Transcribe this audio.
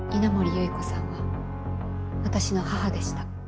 有依子さんは私の母でした。